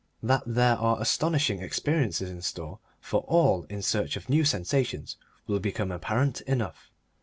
That there are astonishing experiences in store for all in search of new sensations will become apparent enough.